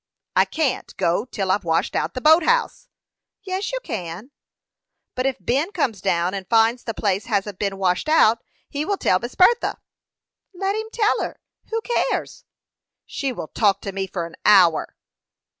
"I can't go till I've washed out the boat house." "Yes, you can." "But if Ben comes down and finds the place hasn't been washed out, he will tell Miss Bertha." "Let him tell her who cares?" "She will talk to me for an hour."